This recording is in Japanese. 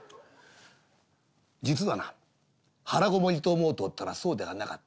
実はな腹籠りと思うておったらそうではなかった。